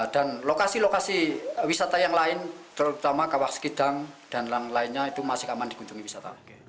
dan lokasi lokasi wisata yang lain terutama kawah sekidang dan lainnya itu masih aman digunjungi wisata